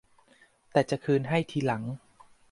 แต่จะคืนให้ทีหลัง